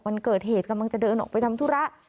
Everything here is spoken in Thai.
วันเกิดเหตุกำลังจะเดินออกไปทำธุระ